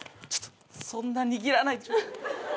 そんな握らないで。